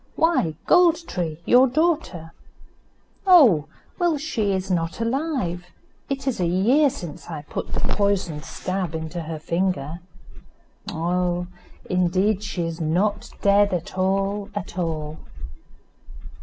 "Why, Gold tree, your daughter." "Oh! well, she is not alive. It is a year since I put the poisoned stab into her finger." "Oh! indeed she is not dead at all, at all."